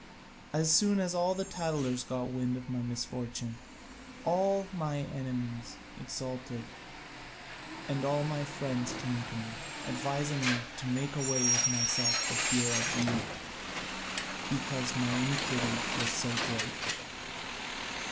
As soon as the tattlers got wind of my misfortune, all my enemies exulted, and my friends came to me, advising me to make away with myself for fear of you, because my iniquity was so great."